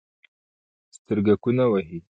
سترګکونه وهي